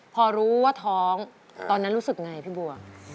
พอรู้ว่าท้องตอนนั้นรู้สึกไงพี่บัว